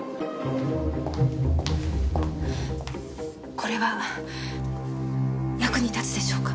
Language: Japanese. これは役に立つでしょうか？